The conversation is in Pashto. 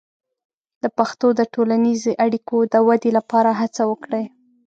د پښتو د ټولنیزې اړیکو د ودې لپاره هڅه وکړئ.